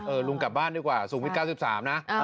ลุงกลับบ้านดีกว่าสูงวิทย์๙๓นะ